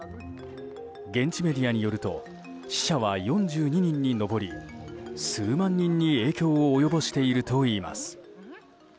現地メディアによると死者は４２人に上り数万人に影響を及ぼしているといいます。